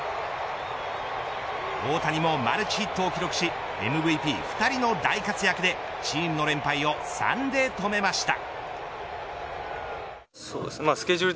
大谷もマルチヒットを記録しＭＶＰ２人の大活躍でチームの連敗を３で止めました。